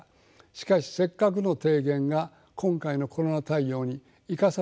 しかしせっかくの提言が今回のコロナ対応に生かされてきませんでした。